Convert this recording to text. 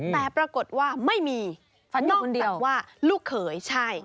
แต่ปรากฏว่าไม่มีนอกจากว่าลูกเขยใช่